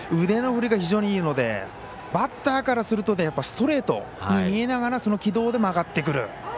腕の振りが非常にいいのでバッターからするとストレートに見えながらその軌道で曲がってくる。